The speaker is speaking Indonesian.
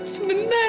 sebentar aja ma